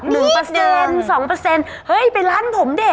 เฮ้ยเป็นร้านผมดิ